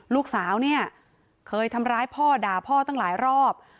ลูกสาวเนี่ยเคยทำร้ายพ่อด่าพ่อตั้งหลายรอบ